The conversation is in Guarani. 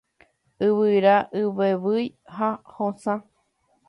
Yvyra ivevýi ha hosã.